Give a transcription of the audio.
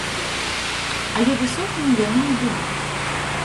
Але высокімі яны не былі.